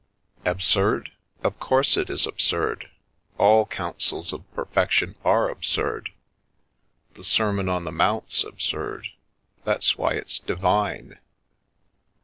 "Absurd? Of course it is absurd. All counsels of perfection are absurd. The Sermon on the Mount's ab surd. That's why it's divine.